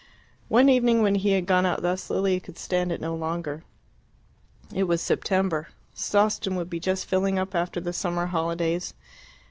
One evening, when he had gone out thus, Lilia could stand it no longer. It was September. Sawston would be just filling up after the summer holidays.